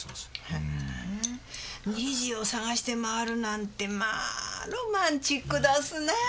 へぇ虹を探して回るなんてまぁロマンチックどすなぁ！